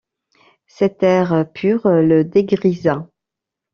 Cet air pur le dégrisa.